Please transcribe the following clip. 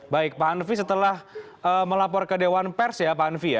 baik pak hanfi setelah melapor ke dewan pers ya pak hanfi ya